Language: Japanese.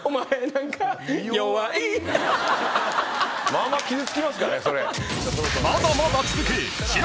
まあまあ傷つきますからねそれ。